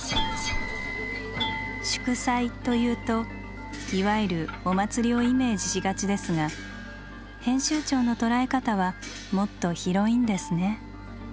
祝祭というといわゆる「お祭り」をイメージしがちですが編集長の捉え方はもっと広いんですね。